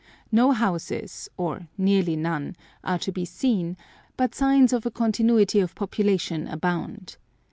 No houses, or nearly none, are to be seen, but signs of a continuity of population abound.